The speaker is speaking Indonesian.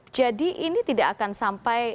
jadi ini tidak akan sampai